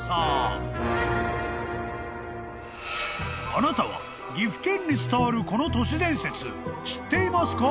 ［あなたは岐阜県に伝わるこの都市伝説知っていますか？］